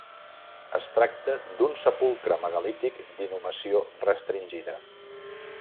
Es tracta d'un sepulcre megalític d'inhumació restringida.